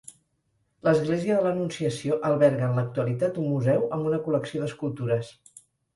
L'església de l'Anunciació alberga en l'actualitat un museu amb una col·lecció d'escultures.